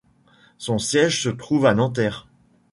Son siège se trouve à Nanterre.